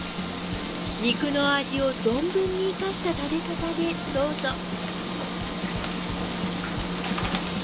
肉の味を存分に生かした食べ方でどうぞ。